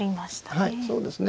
はいそうですね。